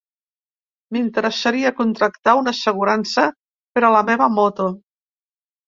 M'interessaria contractar una assegurança per a la meva moto.